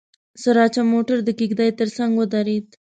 سراچه موټر د کېږدۍ تر څنګ ودرېد.